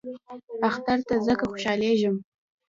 اختر ته ځکه خوشحالیږم .